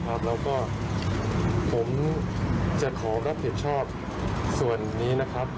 ผมจะขอรับผิดชอบส่วนนี้นะครับ